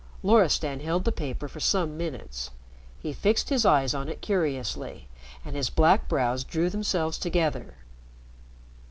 Loristan held the paper for some minutes. He fixed his eyes on it curiously, and his black brows drew themselves together.